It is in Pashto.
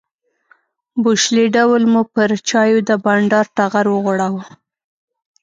بوشلې ډول مو پر چایو د بانډار ټغر وغوړاوه.